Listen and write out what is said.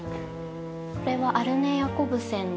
これはアルネ・ヤコブセンの。